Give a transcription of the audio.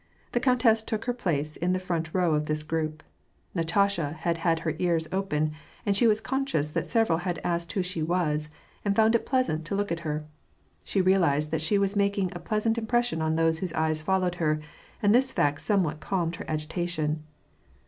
The countess took her place in the front row of this group. Na tasha had had her ears open, and she was conscious that several had asked who she was, and had found it pleasant to look at her. She realized that she was making a pleasant impression on those whose eyes followed her, and this fact somewhat calmed her agitation.